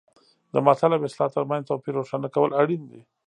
د متل او اصطلاح ترمنځ توپیر روښانه کول اړین دي